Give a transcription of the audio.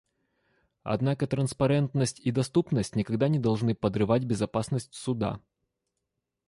Однако транспарентность и доступность никогда не должны подрывать безопасность Суда.